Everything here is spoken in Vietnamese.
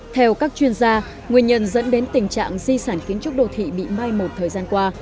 theo các chuyên gia nguyên nhân dẫn đến tình trạng di sản kiến trúc đô thị bị mai một thời gian qua